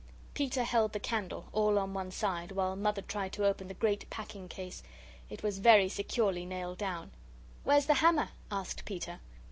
Peter held the candle, all on one side, while Mother tried to open the great packing case. It was very securely nailed down. "Where's the hammer?" asked Peter.